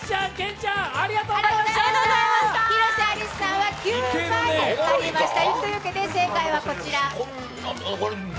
広瀬アリスさんは９枚貼りました。